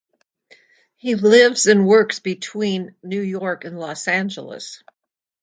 He lives and works between New York and Los Angeles.